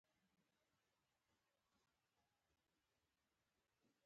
نړیوالې ننګونې لکه سایبر امنیت د سایبر ډیپلوماسي له لارې حل کیدی شي